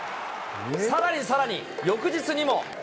さらにさらに、翌日にも。